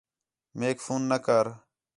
میک فون نہ کر